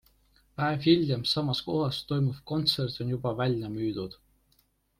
Päev hiljem samas kohas toimuv kontsert on juba välja müüdud.